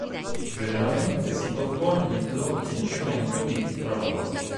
Generalmente si compone di blocchi di cemento uniti fra loro.